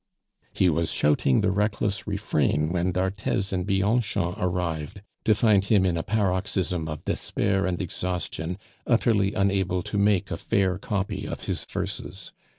He was shouting the reckless refrain when d'Arthez and Bianchon arrived, to find him in a paroxysm of despair and exhaustion, utterly unable to make a fair copy of his verses.